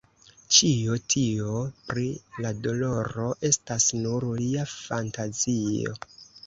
Ĉio tio pri la doloro estas nur lia fantazio.